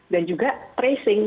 dan juga tracing